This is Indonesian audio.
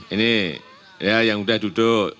ini yang udah duduk